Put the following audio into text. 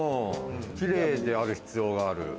キレイである必要がある。